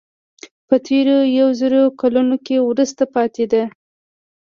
په تېرو یو زر کلونو کې وروسته پاتې ده.